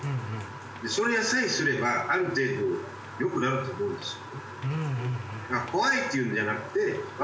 それさえすればある程度良くなると思うんですよ。